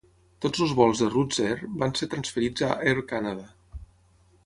Tots els vols de Roots Air van ser transferits a Air Canada.